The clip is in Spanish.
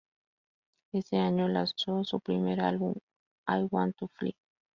Ese año lanzó su primer álbum "I Want to Fly".